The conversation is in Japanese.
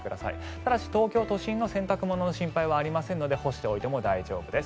ただし東京都心の洗濯物の心配はありませんので干しておいても大丈夫です。